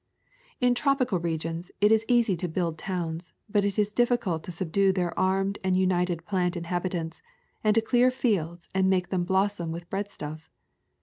In tropical regions it is easy to build towns, but it is difficult to subdue their armed and united plant inhabitants, and to clear fields and make them blossom with breadstuff.